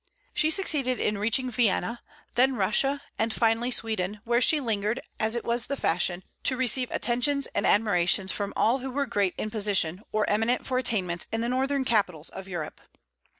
She succeeded in reaching Vienna, then Russia, and finally Sweden, where she lingered, as it was the fashion, to receive attentions and admiration from all who were great in position or eminent for attainments in the northern capitals of Europe.